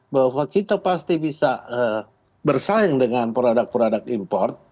bahwa kita pasti bisa bersaing dengan produk produk impor